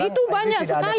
itu banyak sekali